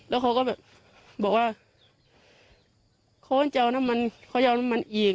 แล้วเขาก็แบบบอกว่าเขาจะเอาน้ำมันอีก